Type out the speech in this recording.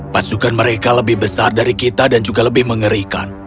pasukan mereka lebih besar dari kita dan juga lebih mengerikan